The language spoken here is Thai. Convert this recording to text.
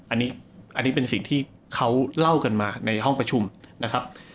อันนี้เป็นสิ่งที่เขาเล่ากันมาในห้องประชุมนะครับ